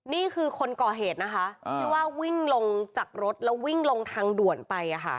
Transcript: นี่คือคนก่อเหตุนะคะที่ว่าวิ่งลงจากรถแล้ววิ่งลงทางด่วนไป